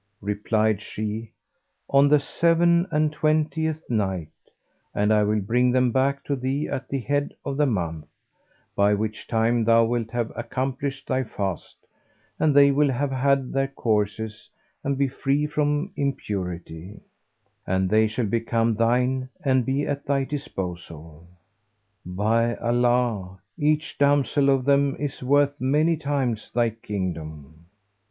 Replied she, 'On the seven and twentieth night; and I will bring them back to thee at the head of the month, by which time thou wilt have accomplished thy fast and they will have had their courses and be free from impurity; and they shall become thine and be at thy disposal. By Allah, each damsel of them is worth many times thy kingdom!'